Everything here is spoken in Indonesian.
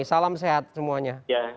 salam sehat semuanya